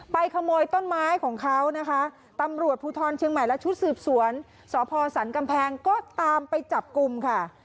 ขโมยต้นไม้ของเขานะคะตำรวจภูทรเชียงใหม่และชุดสืบสวนสพสันกำแพงก็ตามไปจับกลุ่มค่ะ